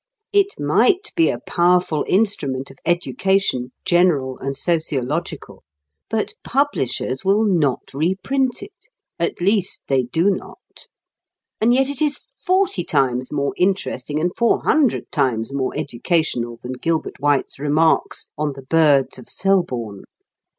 It might be a powerful instrument of education, general and sociological, but publishers will not reprint it at least, they do not. And yet it is forty times more interesting and four hundred times more educational than Gilbert White's remarks on the birds of Selborne.